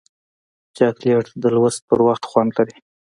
چاکلېټ د لوست پر وخت خوند لري.